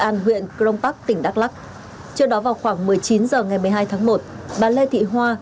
an huyện cron park tỉnh đắk lắc trước đó vào khoảng một mươi chín h ngày một mươi hai tháng một bà lê thị hoa